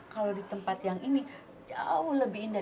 kalau di tempat yang ini jauh lebih indah